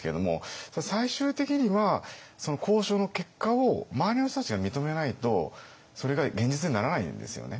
最終的にはその交渉の結果を周りの人たちが認めないとそれが現実にならないんですよね。